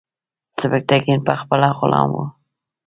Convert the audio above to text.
سبکتیګن پخپله غلام و.